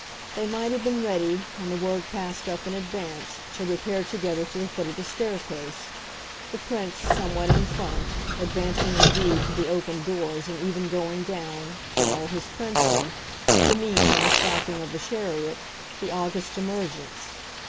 They might have been ready, on the word passed up in advance, to repair together to the foot of the staircase the Prince somewhat in front, advancing indeed to the open doors and even going down, for all his princedom, to meet, on the stopping of the chariot, the august emergence.